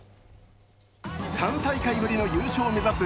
３大会ぶりの優勝を目指す